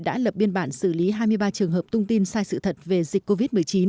đã lập biên bản xử lý hai mươi ba trường hợp thông tin sai sự thật về dịch covid một mươi chín